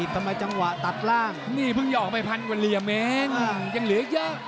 ต้องลุ้นกันไปนะ